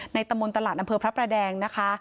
ตำบลตลาดอำเภอพระประแดงนะคะ